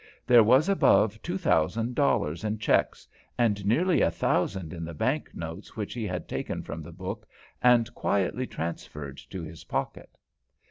There was above two thousand dollars in checks, and nearly a thousand in the bank notes which he had taken from the book and quietly transferred to his pocket.